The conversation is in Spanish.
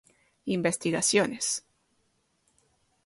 Investigaciones